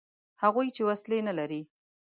هغوی چې وسلې نه لري.